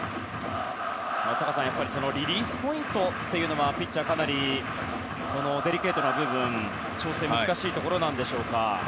松坂さん、やっぱりリリースポイントはピッチャーはかなりデリケートな部分調整が難しいところなんでしょうか。